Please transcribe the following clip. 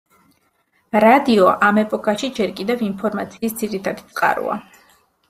რადიო ამ ეპოქაში ჯერ კიდევ ინფორმაციის ძირითადი წყაროა.